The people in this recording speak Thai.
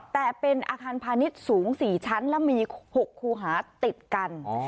แต่เป็นอาคารพาณิชย์สูง๔ชั้นและมี๖คูหาติดกัน